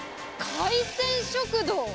海鮮食堂。